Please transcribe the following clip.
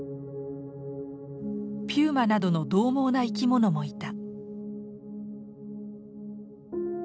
ピューマなどのどう猛な生き物もいた。